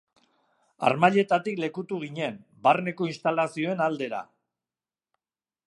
Harmailetatik lekutu ginen, barneko instalazioen aldera.